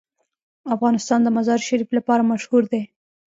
افغانستان د مزارشریف لپاره مشهور دی.